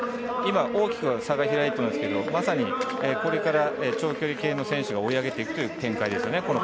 今、大きく差が開いていますけれど、まさにこれから長距離系の選手が追い上げていくという展開です。